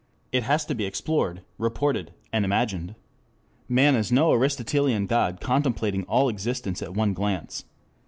It has to be explored, reported, and imagined. Man is no Aristotelian god contemplating all existence at one glance.